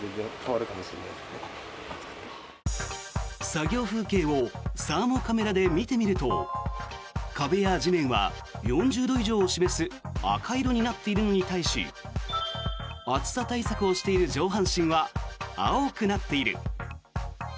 作業風景をサーモカメラで見てみると壁や地面は、４０度以上を示す赤色になっているのに対し暑さ対策をしている上半身は青くなっている。